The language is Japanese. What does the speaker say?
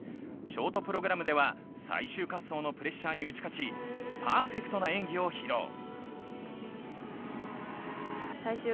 ショートプログラムでは最終滑走のプレッシャーに打ち勝ちパーフェクトな演技を披露。